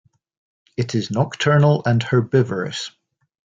It is nocturnal and herbivorous.